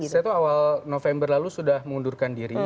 saya tuh awal november lalu sudah mengundurkan diri